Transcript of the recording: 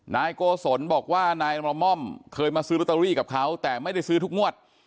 นายโกศลบอกว่านายละม่อมเคยมาซื้อลอตเตอรี่กับเขาแต่ไม่ได้ซื้อทุกงวด